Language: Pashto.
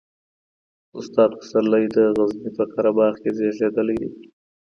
استاد پسرلی د غزني په قره باغ کې زېږېدلی دی.